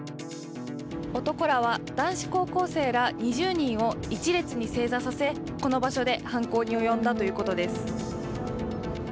男らは男子高校生ら２０人を一列に正座させ、この場所で犯行に及んだということです。